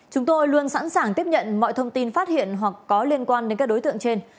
chúng tôi luôn sẵn sàng tiếp nhận mọi thông tin phát hiện hoặc có liên quan đến các đối tượng trên